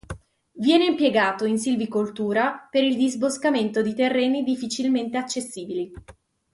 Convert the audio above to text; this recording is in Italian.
Viene impiegato in silvicoltura, per il disboscamento di terreni difficilmente accessibili.